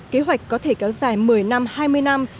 kế hoạch có thể kéo dài một mươi năm hai mươi năm